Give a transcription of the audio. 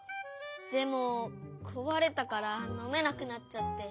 でもこわれたからのめなくなっちゃって。